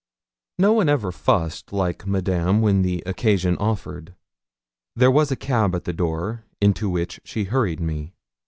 No one ever fussed like Madame when occasion offered. There was a cab at the door, into which she hurried me.